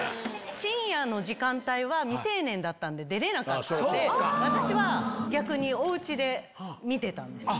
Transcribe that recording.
深夜の時間帯は、未成年だったんで、出れなかったんで、私は逆におうちで見てたんです。